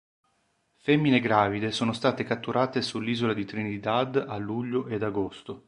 Femmine gravide sono state catturate sull'isola di Trinidad a luglio ed agosto.